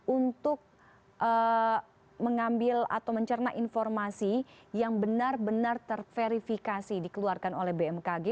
untuk mengambil atau mencerna informasi yang benar benar terverifikasi dikeluarkan oleh bmkg